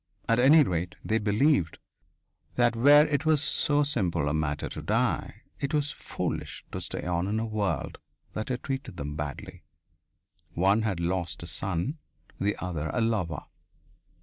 At any rate, they believed that where it was so simple a matter to die, it was foolish to stay on in a world that had treated them badly. One had lost a son, the other a lover.